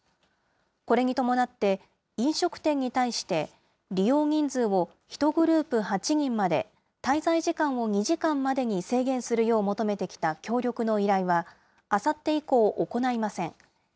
これに伴って、飲食店に対して利用人数を１グループ８人まで、滞在時間を２時間までに制限するよう求めてきた協力の依頼は、あさって以降、行いません。